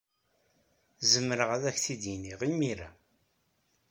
Zermreɣ ad ak-t-id-iniɣ imir-a.